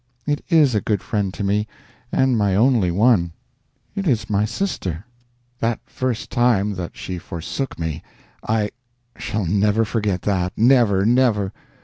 It_ is_ a good friend to me, and my only one; it is my sister. That first time that she forsook me! ah, I shall never forget that never, never.